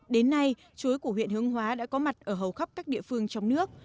đến nay chuối của huyện hương hóa đã có mặt ở hầu khắp các địa phương trong nước